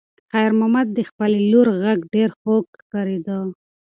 خیر محمد ته د خپلې لور غږ ډېر خوږ ښکارېده.